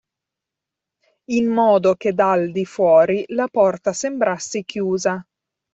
In modo che dal di fuori la porta sembrasse chiusa.